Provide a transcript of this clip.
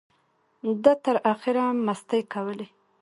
ده تر اخره مستۍ کولې.